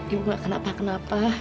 ibu gak kenapa kenapa